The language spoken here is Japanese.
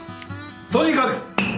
とにかく。